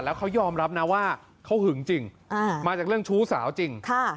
แล้วเขายอมรับนะว่าเขาหึงจริงมาจากเรื่องชู้สาวจริง